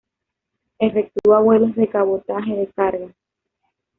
Efectúa vuelos de cabotaje de carga.